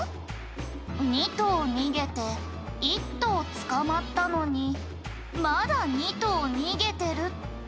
「二頭逃げて一頭捕まったのにまだ二頭逃げてるって」